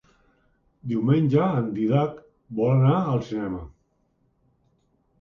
Diumenge en Dídac vol anar al cinema.